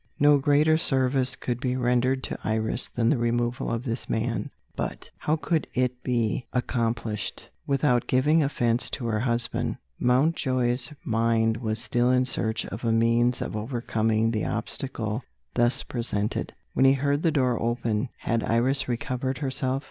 No greater service could be rendered to Iris than the removal of this man but how could it be accomplished, without giving offence to her husband? Mountjoy's mind was still in search of a means of overcoming the obstacle thus presented, when he heard the door open. Had Iris recovered herself?